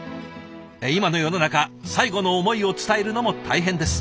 今の世の中最後の思いを伝えるのも大変です。